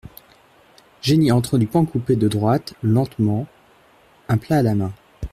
Jenny entre du pan coupé de droite lentement, un plat à la main.